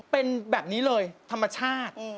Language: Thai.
เป็นแบบนี้เลยธรรมชาติ